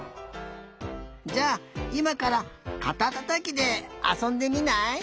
じゃあいまからかたたたきであそんでみない？